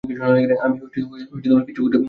আমি কিচ্ছু করতে পারিনি!